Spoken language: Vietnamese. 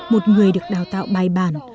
một người được đào tạo bài bản